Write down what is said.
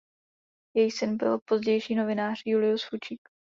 Jejich syn byl pozdější novinář Julius Fučík.